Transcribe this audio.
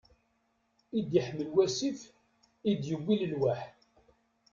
I d-iḥmel wasif, i d-yewwi d lelwaḥ.